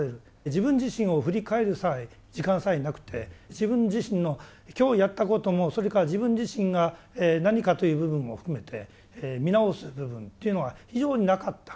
自分自身を振り返る時間さえなくて自分自身の今日やったこともそれから自分自身が何かという部分も含めて見直す部分というのは非常になかった。